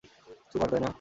Super, তাই না?